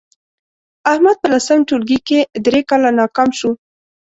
احمد په لسم ټولگي کې درې کاله ناکام شو